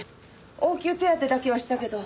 応急手当てだけはしたけど。